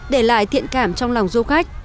để lại thiện cảm trong lòng du khách